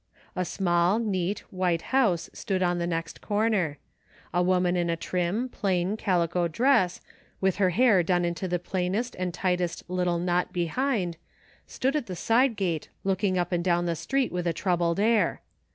A small, neat, white house stood on the next corner. A woman in a trim, plain calico dress, with her hair done into the plainest and tightest little knot behind, stood at the side gate, looking up and down the street with a troubled air.